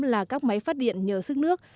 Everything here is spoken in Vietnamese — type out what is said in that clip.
là các máy phát điện nhờ sức nước